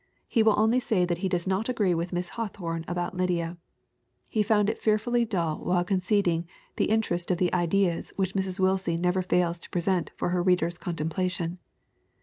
He will only say that he does not agree with Miss Hawthorne about Lydia. He found it fearfully dull while fully conceding the in terest of the ideas which Mrs. Willsie never fails to present for her readers' contemplation.